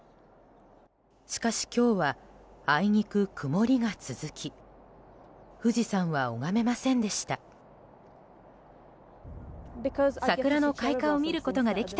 しかし、今日はあいにく曇りが続き富士山は拝めませんでした。